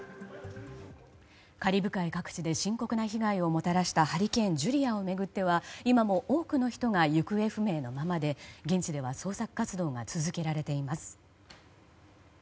カリブ海各地で深刻な被害をもたらしたハリケーン、ジュリアを巡っては今も多くの人が行方不明のままで現地では捜索活動が続けられています。